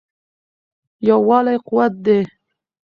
یووالی قوت دی.